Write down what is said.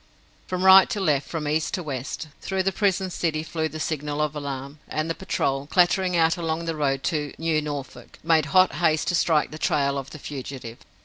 From right to left, from east to west, through the prison city flew the signal of alarm, and the patrol, clattering out along the road to New Norfolk, made hot haste to strike the trail of the fugitive.